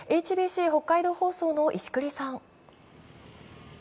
ＨＢＣ北海道放送の石栗さん。